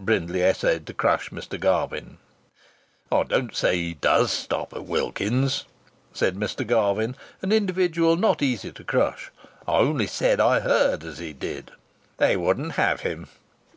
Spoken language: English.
Brindley essayed to crush Mr. Garvin. "I don't say he does stop at Wilkins's," said Mr. Garvin, an individual not easy to crush; "I only say I heard as he did." "They wouldn't have him!"